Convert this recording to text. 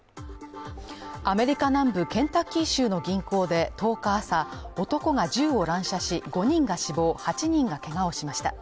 アメリカ南部ケンタッキー州の銀行で１０日朝、男が銃を乱射し、５人が死亡８人がけがをしました。